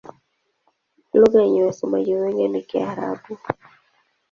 Lugha yenye wasemaji wengi ni Kiarabu.